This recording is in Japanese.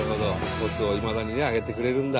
トスをいまだにねあげてくれるんだ。